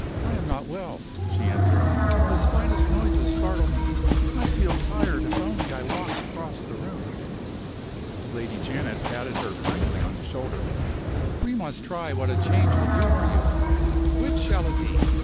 "I am not well," she answered. "The slightest noises startle me. I feel tired if I only walk across the room." Lady Janet patted her kindly on the shoulder. "We must try what a change will do for you. Which shall it be?